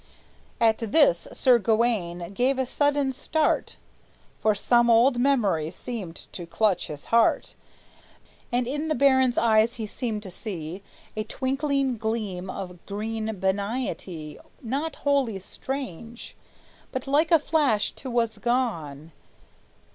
At this Sir Gawayne gave a sudden start, For some old memory seemed to clutch his heart, And in the baron's eyes he seemed to see A twinkling gleam of green benignity Not wholly strange; but like a flash 't was gone.